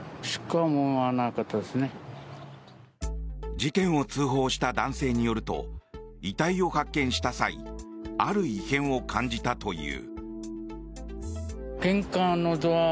事件を通報した男性によると遺体を発見した際ある異変を感じたという。